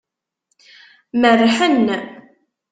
Merrḥen.